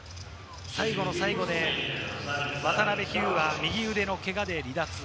最後の最後で渡邉飛勇は右腕のけがで離脱。